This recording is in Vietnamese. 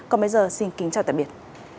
còn bây giờ xin kính chào tạm biệt